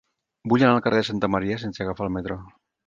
Vull anar al carrer de Santa Maria sense agafar el metro.